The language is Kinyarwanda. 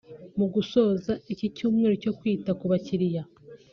Mu gusoza iki cyumweru cyo kwita ku bakiriya